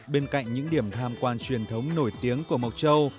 bên cạnh những điểm tham quan truyền thống nổi tiếng của mộc châu